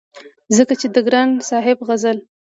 ځکه چې د ګران صاحب غزل